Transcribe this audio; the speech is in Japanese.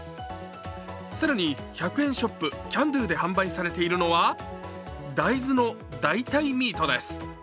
更に、１００円ショップキャンドゥで販売されているのは大豆の代替ミートです。